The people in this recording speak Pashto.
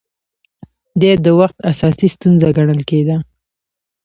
دې د وخت اساسي ستونزه ګڼل کېده